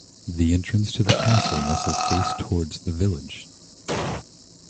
The entrance to the castle must have faced towards the village.